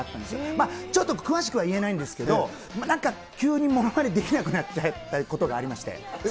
まあ、ちょっと詳しくは言えないんですけど、なんか、急にものまねできなくなっちゃったことがありまして。